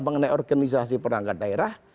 oleh organisasi perangkat daerah